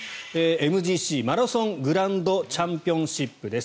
ＭＧＣ・マラソングランドチャンピオンシップです。